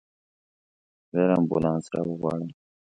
ژر امبولانس راوغواړئ.